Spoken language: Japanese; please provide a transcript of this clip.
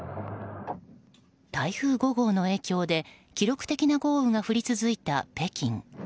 台風５号の影響で記録的な豪雨が降り続いた北京。